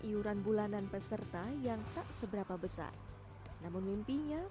jumlah siswa di database sekitar enam puluh